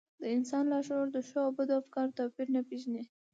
د انسان لاشعور د ښو او بدو افکارو توپير نه پېژني.